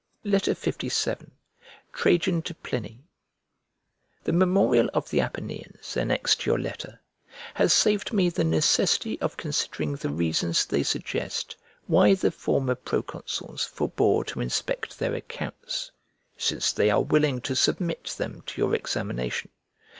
LVII TRAJAN TO PLINY THE memorial of the Apanieans annexed to your letter has saved me the necessity of considering the reasons they suggest why the former proconsuls forbore to inspect their accounts, since they are willing to submit them to your examination.